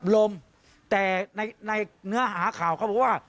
ลมแต่ในเนื้อหาข่าวเขาบอกว่า